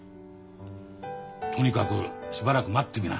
とにかくしばらく待ってみな。